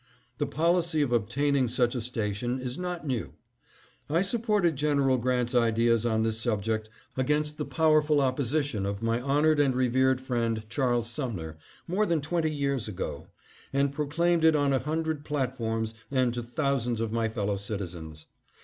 The policy of obtaining such a station is not new. I supported Gen. Grant's ideas on this subject against the powerful opposition of my honored and revered friend Charles Sumner, more than twenty years ago, and proclaimed it on a hundred platforms and to thousands of my fellow citizens.